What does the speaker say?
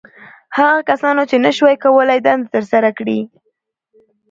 • هغه کسانو، چې نهشوی کولای دنده تر سره کړي.